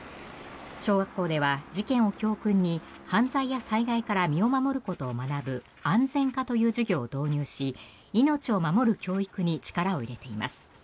小学校では事件を教訓に犯罪や災害から身を守ることを学ぶ安全科という授業を導入し命を守る教育に力を入れています。